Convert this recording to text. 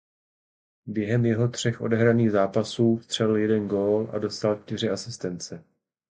Během jeho třech odehraných zápasů vstřelil jeden gól a dostal čtyři asistence.